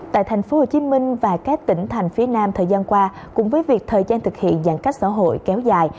tại tp hcm và các tỉnh thành phía nam thời gian qua cùng với việc thời gian thực hiện giãn cách xã hội kéo dài